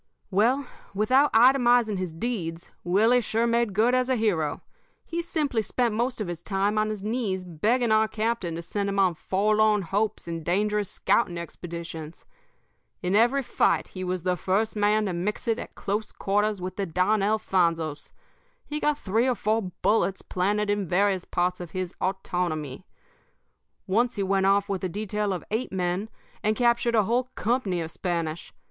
"Well, without itemizing his deeds, Willie sure made good as a hero. He simply spent most of his time on his knees begging our captain to send him on forlorn hopes and dangerous scouting expeditions. In every fight he was the first man to mix it at close quarters with the Don Alfonsos. He got three or four bullets planted in various parts of his autonomy. Once he went off with a detail of eight men and captured a whole company of Spanish.